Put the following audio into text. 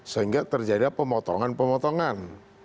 sehingga terjadi pemotongan pemotongan